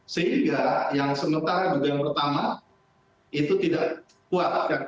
sehingga yang sementara juga yang pertama itu tidak kuat